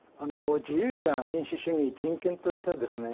自由や民主主義人権といったですね